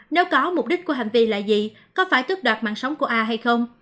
nếu có mục đích của hành vi là gì có phải tức đoạt mạng sống của a hay không